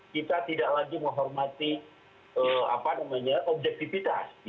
kita tidak lagi menghormati objektivitas